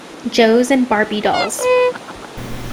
Joes and Barbie dolls.